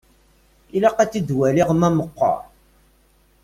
Ilaq ad t-waliɣ ma meqqer.